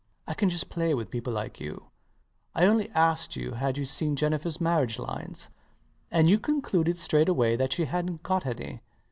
I can just play with people like you. I only asked you had you seen Jennifer's marriage lines; and you concluded straight away that she hadnt got any.